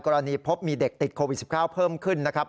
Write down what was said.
กรณีพบมีเด็กติดโควิด๑๙เพิ่มขึ้นนะครับ